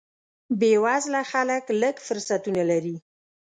بې وزله خلک لږ فرصتونه لري.